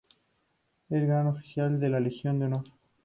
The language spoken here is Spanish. Es Gran Oficial de la Legión de Honor.